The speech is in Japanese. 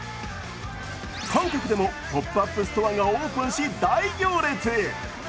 韓国でもポップアップストアがオープンし、大行列。